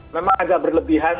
memang agak berlebihan